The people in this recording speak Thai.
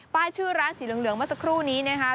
ป้ายชื่อร้านสีเหลืองมาสักครู่นี้เนี่ยค่ะ